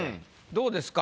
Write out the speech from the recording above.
どうですか？